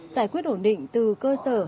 giải quyết ổn định từ cơ sở